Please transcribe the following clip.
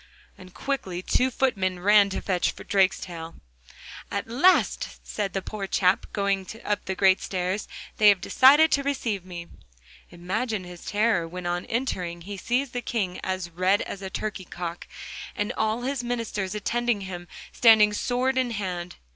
And quickly two footmen ran to fetch Drakestail. 'At last,' said the poor chap, going up the great stairs, 'they have decided to receive me.' Imagine his terror when on entering he sees the King as red as a turkey cock, and all his ministers attending him standing sword in hand.